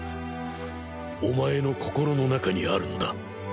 お前の心の中にあるのだ。